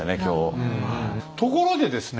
ところでですね